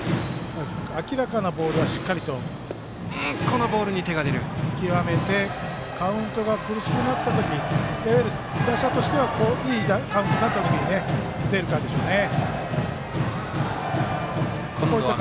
明らかなボールはしっかりと見極めてカウントが苦しくなった時いわゆる打者としてはいいカウントになったときに打てるかでしょうね。